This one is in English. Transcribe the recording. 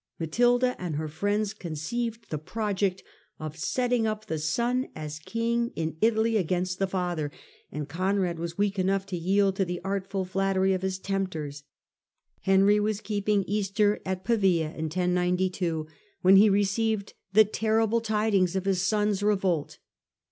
Matilda and her friends conceived the project of setting np the son as king in Italy against the father. And Conrad was weak enough to yield to the artful flattery of his tempters. Henry was keeping Easter at Pavia when he received the terrible tidings of his son's revolt.